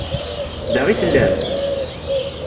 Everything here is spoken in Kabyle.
Da i tellam?